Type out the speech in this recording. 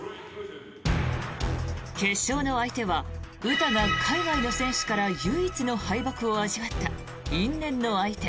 決勝の相手は詩が海外の選手から唯一の敗北を味わった因縁の相手